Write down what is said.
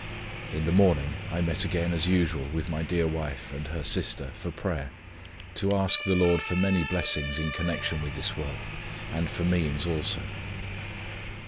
In the morning I met again, as usual, with my dear wife and her sister, for prayer, to ask the Lord for many blessings in connection with this work, and for means also.